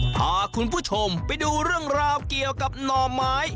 พาคุณผู้ชมไปดูเรื่องราวเกี่ยวกับหน่อไม้